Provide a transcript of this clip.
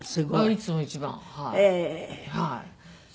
いつも一番。